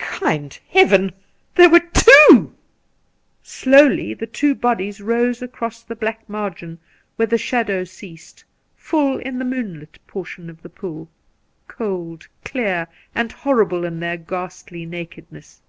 Kind Heaven! there were two! Slowly the two bodies rose across the black margin where the shadow ceased, full in the moonlit portion of the pool — cold, clear and horrible in their ghastly nakedness.